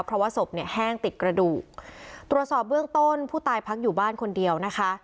เพราะว่าศพเนี่ยแห้งติดกระดูกตรวจสอบเบื้องต้นผู้ตายพักอยู่บ้านคนเดียวนะคะ